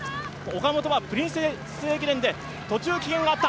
岡本はプリンセス駅伝で途中棄権があった。